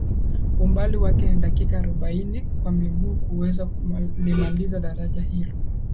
Umbali wake ni dakika arobaini kwa miguu kuweza kulimaliza daraja hilo